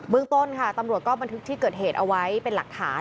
เมืองต้นค่ะตำรวจก็บันทึกที่เกิดเหตุเอาไว้เป็นหลักฐาน